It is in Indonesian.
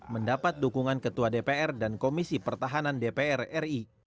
mendapat dukungan ketua dpr dan komisi pertahanan dpr ri